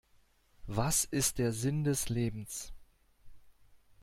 Was ist der Sinn des Lebens?